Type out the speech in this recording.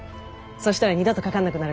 そしたら二度とかかんなくなるから。